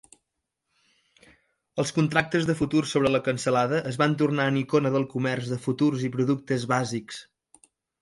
Els contractes de futur sobre la cansalada es van tornar en icona del comerç de futurs i productes bàsics.